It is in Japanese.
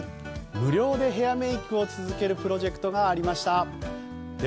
無料でヘアメイクを続けるプロジェクトがありました。